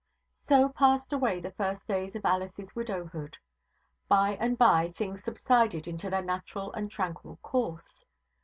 So passed away the first days of Alice's widowhood. By and by things subsided into their natural and tranquil course.